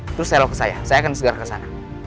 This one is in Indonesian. terus selok ke saya saya akan segera ke sana